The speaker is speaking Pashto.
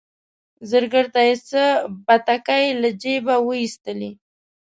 زرګر ته یې څه بتکۍ له جیبه وایستلې.